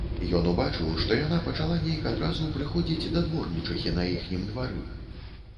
Ён убачыў, што яна пачала нейк адразу прыходзіць да дворнічыхі на іхнім двары.